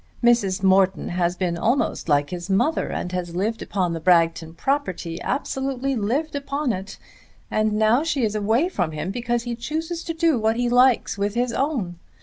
Mrs. Morton has been almost like his mother, and has lived upon the Bragton property, absolutely lived upon it, and now she is away from him because he chooses to do what he likes with his own.